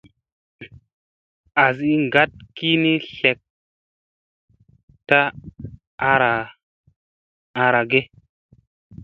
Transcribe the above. Azi ngat ki ni slek ta ara ge.